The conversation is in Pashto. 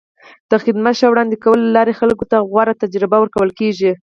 د خدمت ښې وړاندې کولو له لارې خلکو ته غوره تجربه ورکول کېږي.